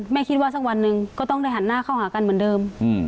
คิดว่าสักวันหนึ่งก็ต้องได้หันหน้าเข้าหากันเหมือนเดิม